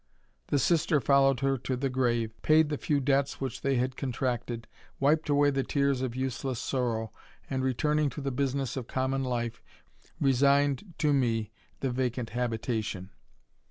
The sister followed her e grave, paid the few debts which they had contracted, i away the tears of useless sorrow, and, returning to business of common life, resigned to me the vacant ation.